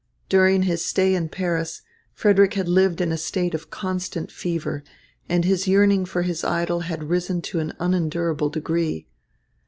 During his stay in Paris, Frederick had lived in a state of constant fever, and his yearning for his idol had risen to an unendurable degree.